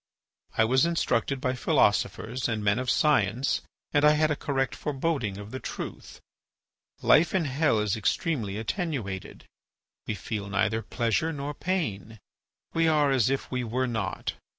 I was instructed by philosophers and men of science and I had a correct foreboding of the truth. Life in hell is extremely attenuated; we feel neither pleasure nor pain; we are as if we were not.